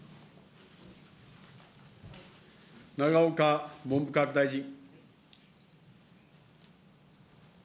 永岡文部科学大臣。